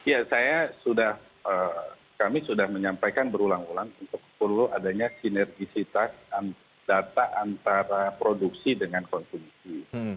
ya saya sudah kami sudah menyampaikan berulang ulang untuk perlu adanya sinergisitas data antara produksi dengan konsumsi